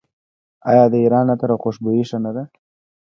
آیا د ایران عطر او خوشبویي ښه نه ده؟